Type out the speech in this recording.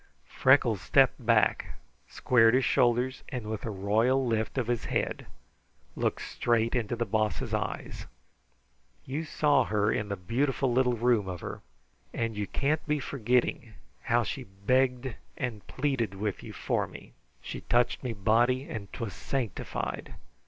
Freckles stepped back, squared his shoulders, and with a royal lift of his head looked straight into the Boss's eyes. "You saw her in the beautiful little room of her, and you can't be forgetting how she begged and plead with you for me. She touched me body, and 'twas sanctified.